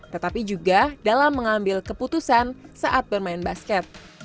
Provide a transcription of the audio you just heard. tetapi juga dalam mengambil keputusan saat bermain basket